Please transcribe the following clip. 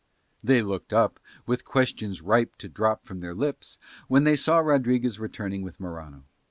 They looked up with questions ripe to drop from their lips when they saw Rodriguez returning with Morano.